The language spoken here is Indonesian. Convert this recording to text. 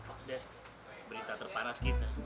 apak deh berita terpanas kita